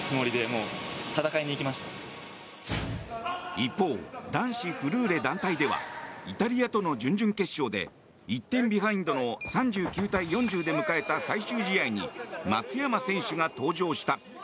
一方男子フルーレ団体ではイタリアとの準々決勝で１点ビハインドの３９対４０で迎えた最終試合に松山選手が登場した。